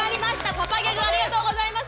パパギャグありがとうございます。